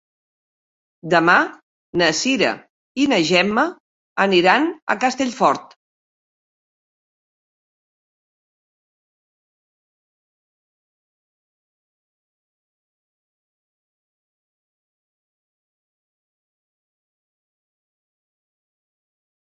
Demà na Cira i na Gemma aniran a Castellfort.